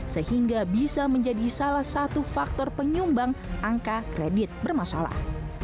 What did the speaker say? sehingga bisa menjadi salah satu faktor penyumbang angka kredit bermasalah